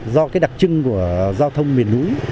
do cái đặc trưng của giao thông miền núi